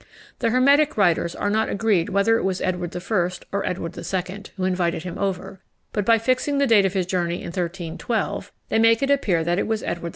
The hermetic writers are not agreed whether it was Edward I. or Edward II. who invited him over; but, by fixing the date of his journey in 1312, they make it appear that it was Edward II.